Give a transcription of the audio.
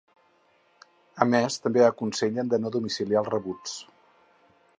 A més, també aconsellen de no domiciliar els rebuts.